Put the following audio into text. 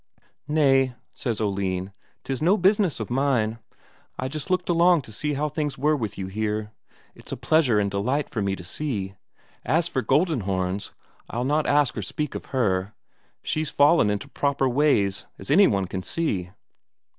"Nay," says Oline. "'Tis no business of mine. I just looked along to see how things were with you here; it's a pleasure and delight for me to see. As for Goldenhorns, I'll not ask nor speak of her she's fallen into proper ways, as any one can see."